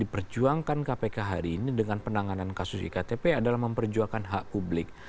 penanganan kasus iktp adalah memperjuangkan hak publik